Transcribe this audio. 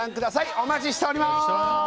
お待ちしております！